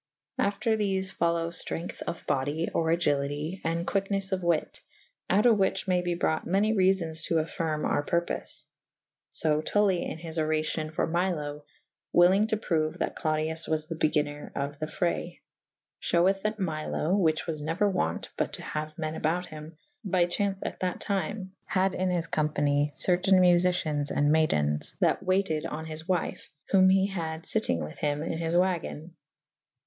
After thefe folowe Itrength of body / or agylite / and quicknes of wyt / out of whiche may be brought many reafons to affyrme our purpofe. So Tully in his oracyon for Milo / wyllynge to proue that Clodius was the begynner of the fraye / fheweth that Milo (which was neuer wo«t but to haue men about hym) by chaunce at that tyme had in his company certayne Muficiens and maydens that wayted on his wyfe / whom he had fyttyng with hym in his wagen.